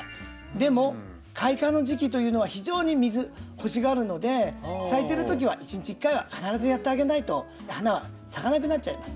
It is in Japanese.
でも開花の時期というのは非常に水欲しがるので咲いてる時は１日１回は必ずやってあげないと花は咲かなくなっちゃいます。